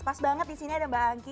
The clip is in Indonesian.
pas banget di sini ada mbak angki